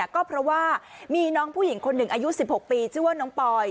ก็เพราะว่ามีน้องผู้หญิงคนหนึ่งอายุ๑๖ปีชื่อว่าน้องปอย